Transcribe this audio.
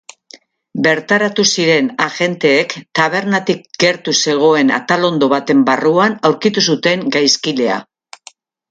Bertaratu ziren agenteek tabernatik gertu zegoen atalondo baten barruan aurkitu zuten gaizkilea.